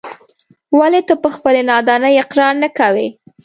ولې ته په خپلې نادانۍ اقرار نه کوې.